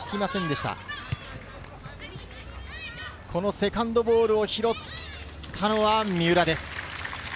セカンドボールを拾ったのは三浦です。